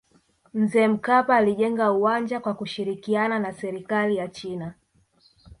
mzee mkapa alijenga uwanja kwa kushirikiana na serikali ya china